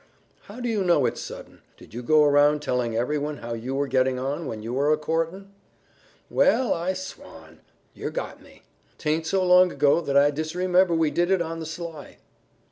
"How do you know it's sudden? Did you go around telling everyone how you were getting on when you were a courting?" "Well, I swan! Yer got me. 'Taint so long ago that I disremember we did it on the sly."